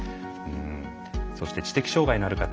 そして知的障害のある方。